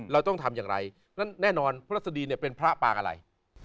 เราต้องทำอย่างไรนั้นแน่นอนพระรัศดีเนี่ยเป็นพระปางอะไร